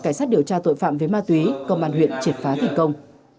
cảnh sát điều tra tội phạm về ma túy công an huyện triệt phá thành công